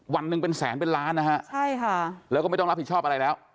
วันหนึ่งเป็นแสนเป็นล้านนะฮะใช่ค่ะแล้วก็ไม่ต้องรับผิดชอบอะไรแล้ว